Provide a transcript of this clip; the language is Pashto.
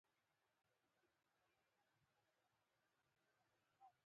تر کوره پورې تلم